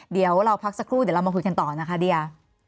เดี๋ยวเราพักสักครู่เดี๋ยวเรามาคุยกันต่อนะคะเดีย